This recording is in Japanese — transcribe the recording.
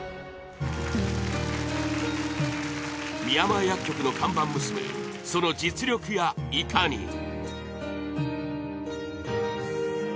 宮前薬局の看板娘その実力やいかに！？